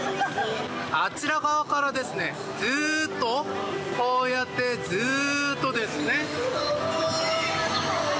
あちら側からですねずっとこうやってずっとですね。